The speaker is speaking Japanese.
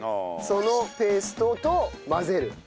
そのペーストと混ぜる。